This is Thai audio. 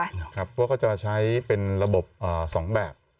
พวกเขาก็จะใช้เป็นระบบ๒แบบ